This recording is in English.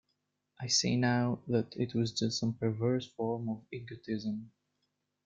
I see now that it was just some perverse form of egotism.